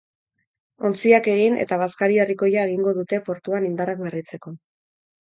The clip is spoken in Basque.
Ontziak egin eta bazkari herrikoia egingo dute portuan indarrak berritzeko.